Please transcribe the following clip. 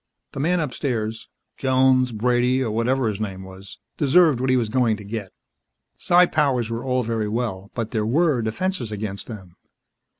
The man upstairs Jones, Brady or whatever his name was deserved what he was going to get. Psi powers were all very well, but there were defenses against them.